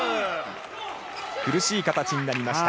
苦しい形になりました。